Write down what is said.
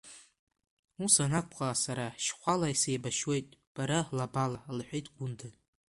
Ус анакәха, сара шьхәала сеибашьуеит, бара лабала, — лҳәеит Гәында.